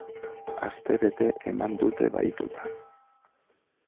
Astebete eman dute bahituta.